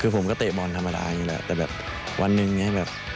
คือผมก็เตะบอลธรรมดาอยู่แล้วแต่แบบวันหนึ่งเนี่ยแบบ